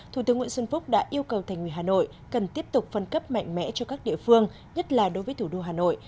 thủ tướng nguyễn xuân phúc đã yêu cầu thành ủy hà nội cần tiếp tục phân cấp mạnh mẽ cho các địa phương nhất là đối với thủ đô hà nội